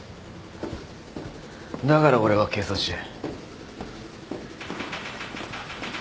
だから俺は警察署へ。